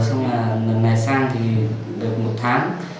xong là lần này sang thì được một tháng